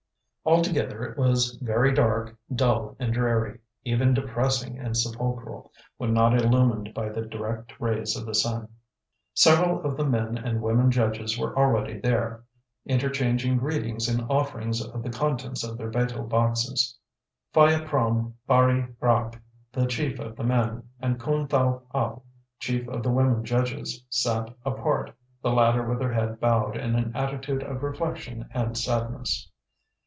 Altogether, it was very dark, dull, and dreary, even depressing and sepulchral, when not illumined by the direct rays of the sun. Several of the men and women judges were already there, interchanging greetings and offerings of the contents of their betel boxes. P'hayaprome Baree Rak, the chief of the men, and Khoon Thow App, chief of the women judges, sat apart, the latter with her head bowed in an attitude of reflection and sadness.